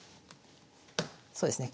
そうですね